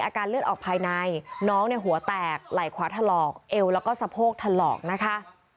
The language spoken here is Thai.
เหตุการณ์เลือดออกภายในน้องหัวแตกไหลขวาทะหรอกเอวแล้วก็สะโพกทะหรอกนะคะ